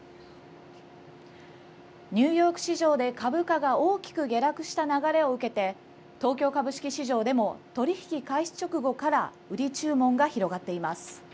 ニューヨーク市場で株価が大きく下落した流れを受けて東京株式市場でも取り引き開始直後から売り注文が広がっています。